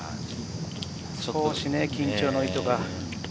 少し緊張の糸が。